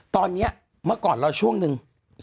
ตอนนี้เมื่อก่อนเราช่วงนึง